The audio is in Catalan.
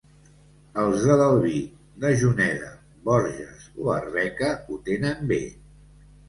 Els de l'Albi, de Juneda, Borges o Arbeca ho tenen bé.